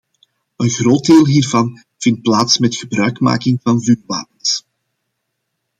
Een groot deel hiervan vindt plaats met gebruikmaking van vuurwapens.